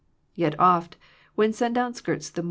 Yet oft, when sundown skirts the moor.